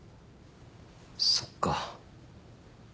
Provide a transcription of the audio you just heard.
そっか。